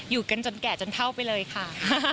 อยู่กันจนแก่จนเท่าไปเลยค่ะ